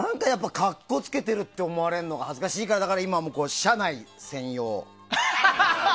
格好つけてるって思われるのが恥ずかしいから今は車内専用。